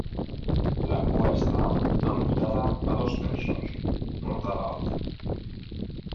La cua està amputada a dos terços, portada alta.